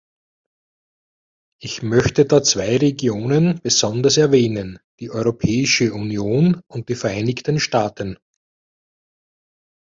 Ich möchte da zwei Regionen besonders erwähnen, die Europäische Union und die Vereinigten Staaten.